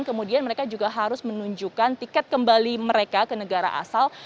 kemudian mereka juga harus menunjukkan tiket kembali mereka ke negara asal